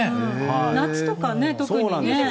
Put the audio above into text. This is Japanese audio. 夏とかね、特にね。